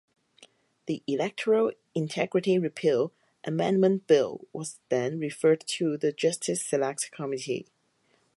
The Electoral (Integrity Repeal) Amendment Bill was then referred to the justice select committee.